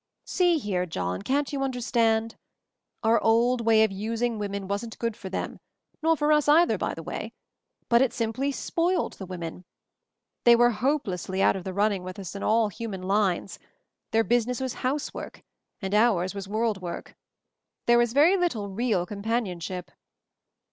..• See here, John, can't you understand? Our old way of using women wasn't good for them »— nor for us, either, by the way — but it sim ply spoiled the women. They were hope MOVING THE MOUNTAIN 117 lessly out of the running with us in all hu man lines; their business was housework, and ours was world work. There was very little real companionship.